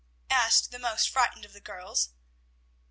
asked the most frightened of the girls.